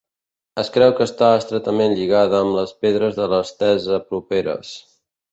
Es creu que està estretament lligada amb les pedres de l'estesa properes.